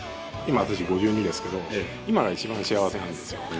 今私５２ですけど今が一番幸せなんですよ。